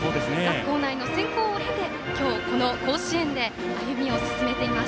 校内の選考を経て、今日この甲子園で歩みを進めています。